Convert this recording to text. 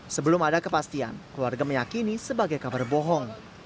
sebelum ada kepastian keluarga meyakini sebagai kabar bohong